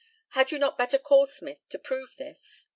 Had you not better call Smith to prove this?